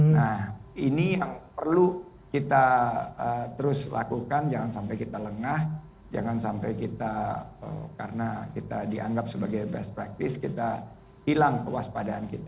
nah ini yang perlu kita terus lakukan jangan sampai kita lengah jangan sampai kita karena kita dianggap sebagai best practice kita hilang kewaspadaan kita